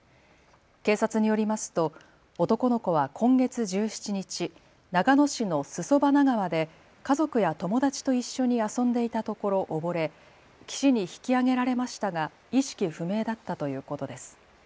警察によりますと男の子は今月１７日、長野市の裾花川で家族や友達と一緒に遊んでいたところ溺れ岸に引き上げられましたが意識不明だったということです。